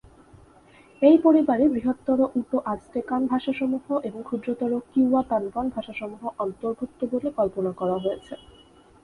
এই পরিবারে বৃহত্তর উটো-আজটেকান ভাষাসমূহ এবং ক্ষুদ্রতর কিওয়া-তানোয়ান ভাষাসমূহ অন্তর্ভুক্ত বলে কল্পনা করা হয়েছে।